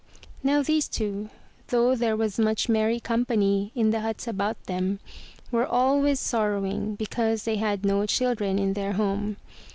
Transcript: Now these two, though there was much merry company in the huts about them, were always sorrowing because they had no children in their home.